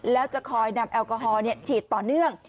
แล้วจะคอยนำแอลกอฮอลฉีดต่อเนื่อง